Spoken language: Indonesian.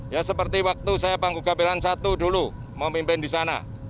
ya seperti waktu saya panggung gamelan satu dulu memimpin di sana